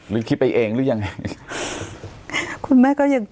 เขาไม่ชอบคุณแม่มั้ง